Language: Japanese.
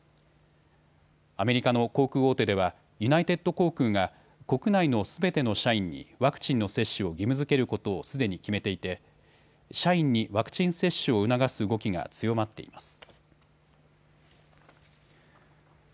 アメリカの航空大手ではユナイテッド航空が国内のすべての社員にワクチンの接種を義務づけることをすでに決めていて社員にワクチン接種を促す動きが強まっています。